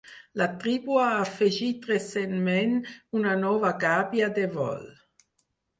La tribu ha afegit recentment una nova gàbia de vol.